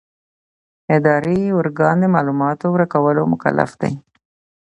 اداري ارګان د معلوماتو ورکولو مکلف دی.